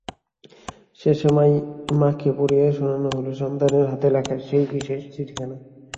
শেষে মাকে পরিয়ে শোনানো হলো সন্তানের হাতে লেখা সেই বিশেষ চিঠিখানা।